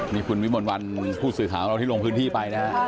นี่คุณวิมลวันผู้สื่อข่าวของเราที่ลงพื้นที่ไปนะฮะ